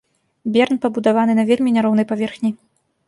Берн пабудаваны на вельмі няроўнай паверхні.